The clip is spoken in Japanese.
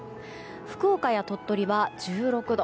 福岡や鳥取は１６度。